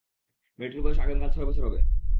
মেয়েটির বয়স আগামীকাল ছয় বছর হবে।